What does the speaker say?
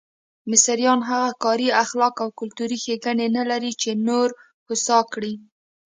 مصریان هغه کاري اخلاق او کلتوري ښېګڼې نه لري چې نور هوسا کړي.